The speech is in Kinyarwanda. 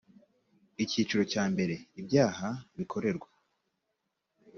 icyiciro cya mbere ibyaha bikorerwa